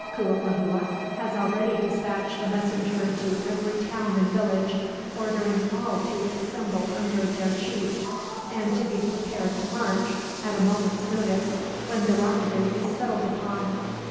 Cuitlahua has already dispatched a messenger to every town and village, ordering all to assemble under their chiefs; and to be prepared to march, at a moment's notice, when the rendezvous is settled upon.